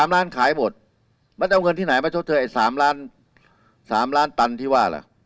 ๓ล้านขายหมดมันจะเอาเงินที่ไหนมาชดเธอไอ้๓ล้านตันที่ว่าล่ะ